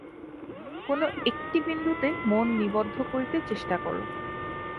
কোন একটি বিন্দুতে মন নিবদ্ধ করিতে চেষ্টা কর।